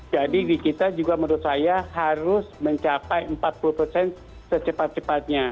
jadi di kita juga menurut saya harus mencapai empat puluh secepat cepatnya